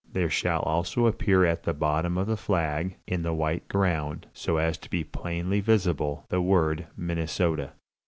There shall also appear at the bottom of the flag, in the white ground, so as to be plainly visible, the word 'Minnesota.'"